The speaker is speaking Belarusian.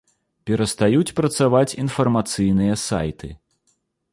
Перастаюць працаваць інфармацыйныя сайты.